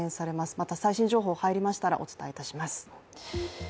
また最新情報が入りましたらお伝えいたします。